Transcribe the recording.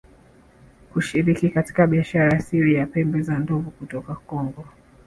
kushiriki katika biashara ya siri ya pembe za ndovu kutoka Kongo